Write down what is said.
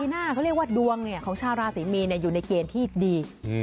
หน้าเขาเรียกว่าดวงของชาวราศรีมีนอยู่ในเกณฑ์ที่ดี